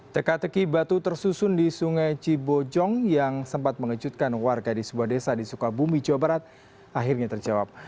teka teki batu tersusun di sungai cibojong yang sempat mengejutkan warga di sebuah desa di sukabumi jawa barat akhirnya terjawab